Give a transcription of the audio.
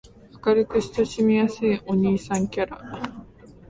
明るく親しみやすいお兄さんキャラ